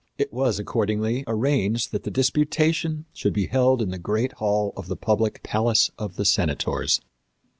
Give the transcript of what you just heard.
It was, accordingly, arranged that the disputation should be held in the great hall of the public Palace of the Senators.